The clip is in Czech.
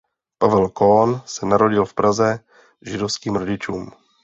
Pavel Kohn se narodil v Praze židovským rodičům.